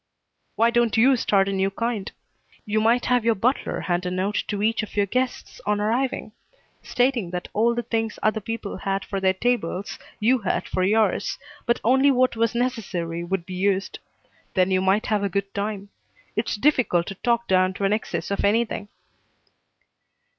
"Why don't you start a new kind? You might have your butler hand a note to each of your guests on arriving, stating that all the things other people had for their tables you had for yours, but only what was necessary would be used. Then you might have a good time. It's difficult to talk down to an excess of anything."